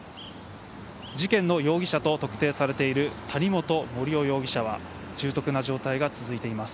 事件の容疑者と特定されている谷本盛雄容疑者は、重篤な状態が続いています。